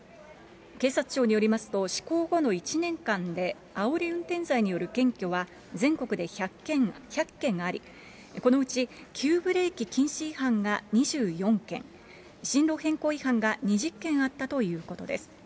警察庁によりますと、施行後の１年間で、あおり運転罪による検挙は全国で１００件あり、このうち急ブレーキ禁止違反が２４件、進路変更違反が２０件あったということです。